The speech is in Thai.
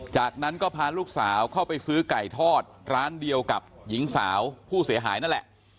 จากนั้นก็พาลูกสาวเข้าไปซื้อไก่ทอดร้านเดียวกับหญิงสาวผู้เสียหายนั่นแหละ